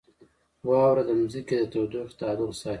• واوره د ځمکې د تودوخې تعادل ساتي.